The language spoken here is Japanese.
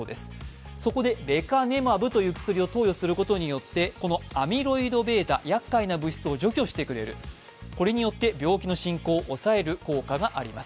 そこでレカネマブという薬を投与することによって、このアミロイドβ、やっかいな物質を除去してくれるこれによって病気の進行を抑える効果があります。